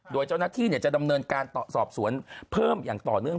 โดยเจ้าหน้าที่จะดำเนินการสอบสวนเพิ่มอย่างต่อเนื่อง